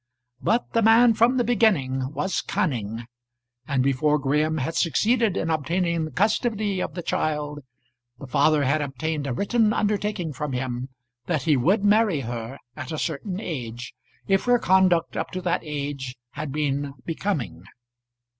But the man from the beginning was cunning; and before Graham had succeeded in obtaining the custody of the child, the father had obtained a written undertaking from him that he would marry her at a certain age if her conduct up to that age had been becoming.